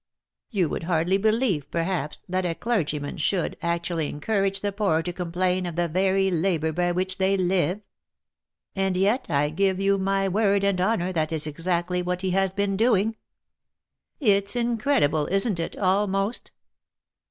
You would hardly believe, perhaps, that a cler gyman should actually encourage the poor to complain of the very labour by which they live ? And yet I give you my word and honour that is exactly what he has been doing. It's incredible, isn't it, al most